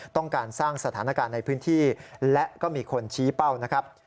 ต้องการสร้างสถานการณ์ในพื้นที่และก็มีคนชี้เป้านะครับ